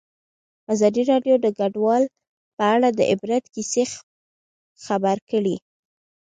ازادي راډیو د کډوال په اړه د عبرت کیسې خبر کړي.